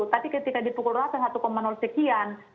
tapi ketika di pukul delapan satu sekian